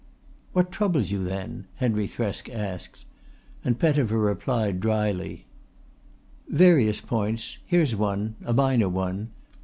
"What troubles you then?" Henry Thresk asked, and Pettifer replied drily: "Various points. Here's one a minor one.